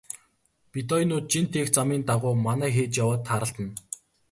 Бедоинууд жин тээх замын дагуу манаа хийж яваад тааралдана.